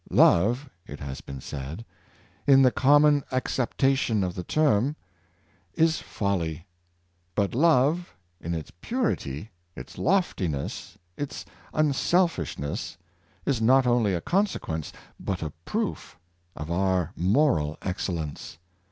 " Love," ft has been said, " in the common acceptation of the term, is folly; but love, in its purity, its loftiness, its unselfishness, is not only a consequence, but a proof, of our moral excellence.